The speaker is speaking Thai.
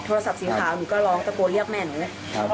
โทรศัพท์สีขาวหนูก็ร้องตะโกนเรียกแม่หนูเลย